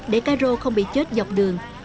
để cá rô không bị chết dọc đường